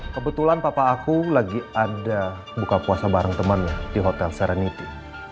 kebetulan papa aku lagi ada buka puasa bareng temen di hotel sereniti